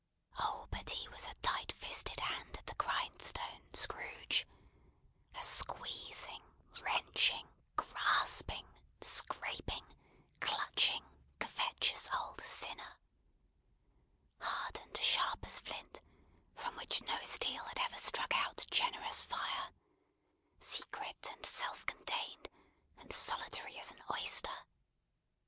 Oh! But he was a tight fisted hand at the grind stone, Scrooge! a squeezing, wrenching, grasping, scraping, clutching, covetous, old sinner! Hard and sharp as flint, from which no steel had ever struck out generous fire; secret, and self contained, and solitary as an oyster.